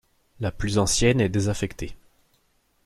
La plus ancienne est désaffectée.